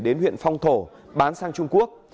đến huyện phong thổ bán sang trung quốc